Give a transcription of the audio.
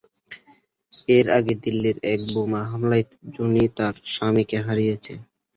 এর আগে দিল্লির এক বোমা হামলায় জুনি তার স্বামী কে হারিয়েছে।